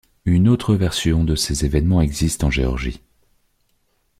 Une autre version de ces évènements existe en Géorgie.